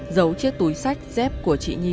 giấu chiếc túi sách dép của chị n